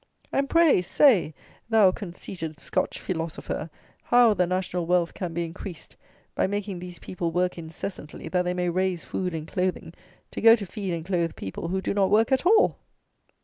And, pray, say, thou conceited Scotch feelosofer, how the "national wealth" can be increased by making these people work incessantly, that they may raise food and clothing, to go to feed and clothe people who do not work at all?